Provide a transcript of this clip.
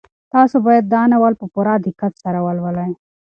تاسو باید دا ناول په پوره دقت سره ولولئ.